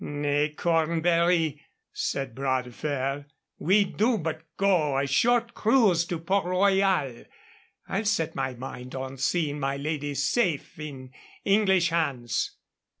"Nay, Cornbury," said Bras de Fer. "We do but go a short cruise to Port Royal. I've set my mind on seeing my lady safe in English hands."